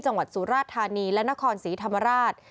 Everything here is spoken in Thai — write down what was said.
จังหวัดสุราษฎร์ธานีและนครศรีธรรมราช